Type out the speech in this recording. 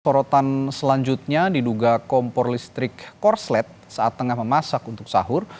sorotan selanjutnya diduga kompor listrik korslet saat tengah memasak untuk sahur